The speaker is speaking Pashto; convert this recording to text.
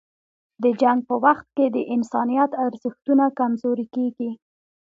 د جنګ په وخت کې د انسانیت ارزښتونه کمزوري کېږي.